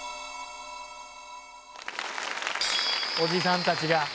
おじさんたちが。